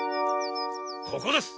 ここです！